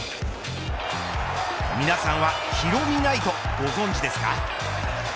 皆さんはヒロミナイトご存じですか。